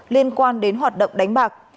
liên quan đến hoạt động đánh bạc